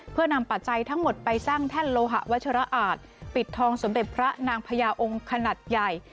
เพื่อนำปัจจัยทั้งหมดไปสร้างแท่นโลหะวัชระอาจปิดทองสมเด็จพระนางพญาองค์ขนาดใหญ่